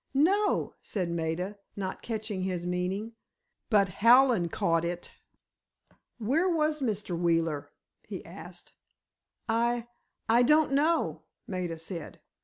"No," said Maida, not catching his meaning. But Hallen caught it. "Where was Mr. Wheeler?" he asked. "I—I don't know," Maida said.